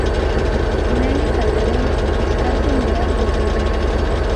Nelly Calderón, Fiscal General del Perú.